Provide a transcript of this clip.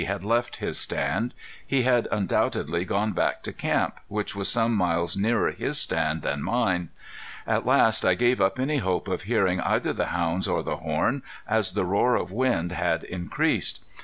had left his stand. He had undoubtedly gone back to camp, which was some miles nearer his stand than mine. At last I gave up any hope of hearing either the hounds or the horn, as the roar of wind had increased.